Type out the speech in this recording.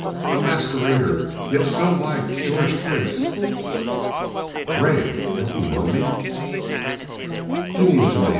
A masquerader, yet so like George Prince. "Gregg don't you know me?" Clinging to me.